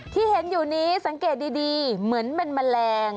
ที่เห็นอยู่นี้สังเกตดีเหมือนเป็นแมลง